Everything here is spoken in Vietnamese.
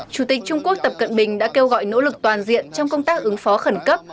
chủ tịch trung quốc tập cận bình đã kêu gọi nỗ lực toàn diện trong công tác ứng phó khẩn cấp